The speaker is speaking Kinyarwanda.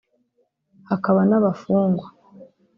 hakaba n’abafungwa